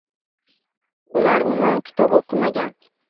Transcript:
Ular umuman kitob o‘qimagan.